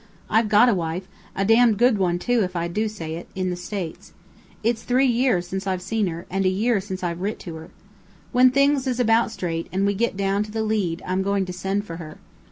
"I've got a wife a damned good one, too, if I do say it in the States. It's three year since I've seen her, and a year since I've writ to her. When things is about straight, and we get down to the lead, I'm going to send for her."